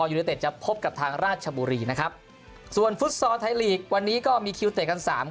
ยูเนเต็ดจะพบกับทางราชบุรีนะครับส่วนฟุตซอลไทยลีกวันนี้ก็มีคิวเตะกันสาม